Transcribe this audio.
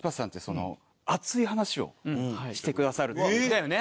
だよね。